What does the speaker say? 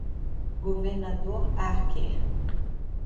Governador Archer